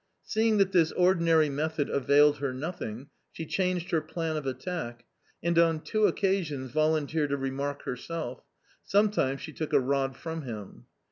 Seeing that this ordinary method availed her nothing, she changed her plan of attack, and on two occasions volun teered a remark herself; sometimes she took a rod from him.